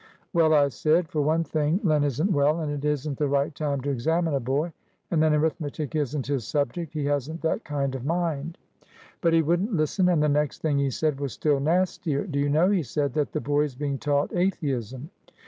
'Well,' I said, 'for one thing Len isn't well, and it isn't the right time to examine a boy; and then arithmetic isn't his subject; he hasn't that kind of mind.' But he wouldn't listen, and the next thing he said was still nastier. 'Do you know,' he said, 'that the boy is being taught atheism?'